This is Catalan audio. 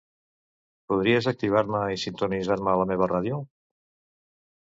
Podries activar-me i sintonitzar-me la meva ràdio?